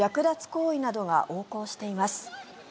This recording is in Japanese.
行為などが横行しています。